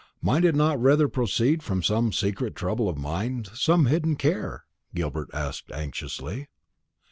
Might it not rather proceed from some secret trouble of mind, some hidden care?" Gilbert asked anxiously.